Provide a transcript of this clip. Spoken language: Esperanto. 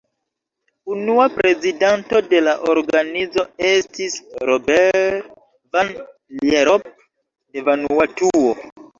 Unua prezidanto de la organizo estis Robert Van Lierop de Vanuatuo.